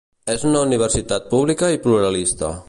És una universitat pública i pluralista.